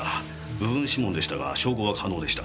部分指紋でしたが照合は可能でした。